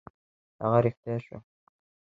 هغه رښتیا شوه.